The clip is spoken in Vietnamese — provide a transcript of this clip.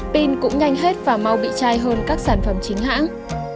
pin cũng nhanh hết và mau bị trai hơn các sản phẩm chính hãng